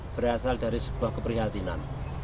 berasal dari sebuah keprihatinan